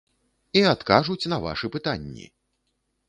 І адкажуць на вашы пытанні!